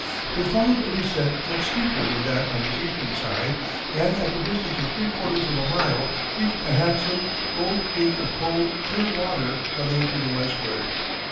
They followed a descent much steeper than that on the eastern side, and at the distance of three quarters of a mile reached a handsome, bold creek of cold, clear water running to the westward.